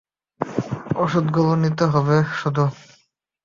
ওষুধ গুলো নিতে হবে শুধু।